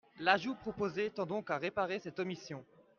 L’ajout proposé tend donc à réparer cette omission.